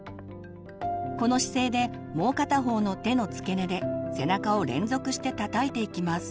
この姿勢でもう片方の手の付け根で背中を連続してたたいていきます。